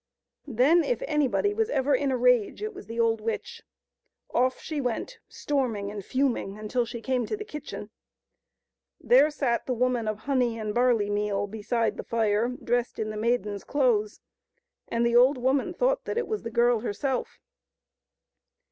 Then if anybody was ever in a rage it was the old witch ; off she went, storming and fuming, until she came to the kitchen. There sat the woman of honey and barley meal beside the fire, dressed in the maiden's clothes, and the old woman thought that it was the girl herself.